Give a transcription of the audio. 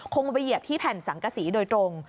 คงไปเหยียบที่แผ่นสังกษีโดยตรง